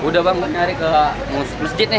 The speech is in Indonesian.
udah bang nyari ke masjid nih